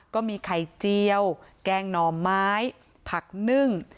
ก็มีไข่เจียวแกงหน่อไม้ผักนึ่ง